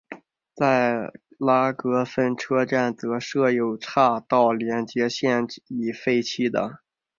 在格拉芬车站则设有岔道连接至现已废弃的。